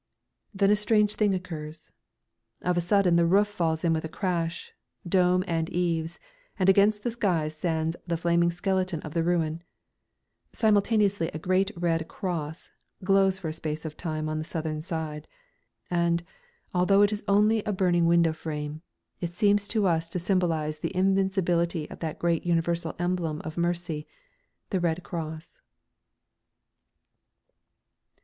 Then a strange thing occurs. Of a sudden the roof falls in with a crash, dome and eaves, and against the sky stands the flaming skeleton of the ruin. Simultaneously a great red cross glows for a space of time on the southern side. And, although it is only a burning window frame, it seems to us to symbolise the invincibility of that great universal emblem of mercy the Red Cross.